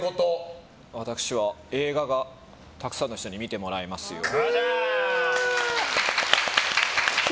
私は映画がたくさんの人に見てもらえますように。